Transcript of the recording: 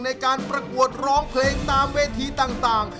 ในการประกวดร้องเพลงตามเวทีต่าง